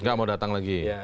nggak mau datang lagi